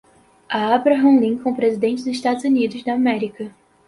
A Abraham Lincoln, Presidente dos Estados Unidos da América